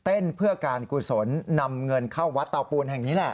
เพื่อการกุศลนำเงินเข้าวัดเตาปูนแห่งนี้แหละ